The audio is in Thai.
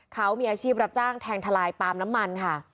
เขามีอาชีพรับจ้างแทงทลายปาล์มน้ำมันค่ะ